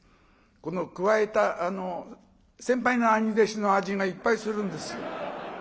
このくわえた先輩の兄弟子の味がいっぱいするんですよ。